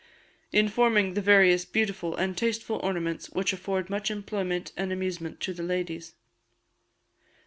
in forming the various beautiful and tasteful ornaments which afford much employment and amusement to the ladies.